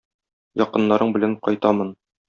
Якыннарың белән кайтамын!